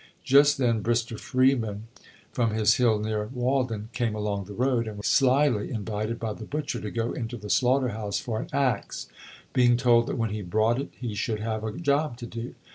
Just then Brister Freeman, from his hill near Walden, came along the road, and was slyly invited by the butcher to go into the slaughter house for an axe, being told that when he brought it he should have a job to do.